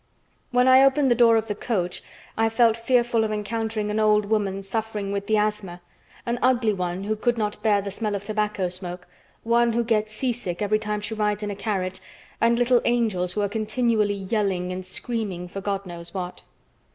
When I opened the door of the coach I felt fearful of encountering an old woman suffering with the asthma, an ugly one who could not bear the smell of tobacco smoke, one who gets seasick every time she rides in a carriage, and little angels who are continually yelling and screaming for God knows what.